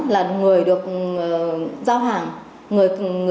là người được giao hàng